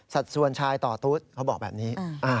สัดส่วนชายต่อตุ๊ดเขาบอกแบบนี้